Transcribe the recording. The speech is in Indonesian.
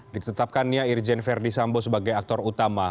ditetapkannya irjen verdi sambo sebagai aktor utama